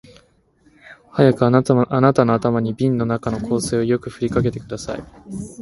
早くあなたの頭に瓶の中の香水をよく振りかけてください